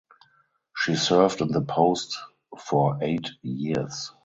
She served in the post for eight years.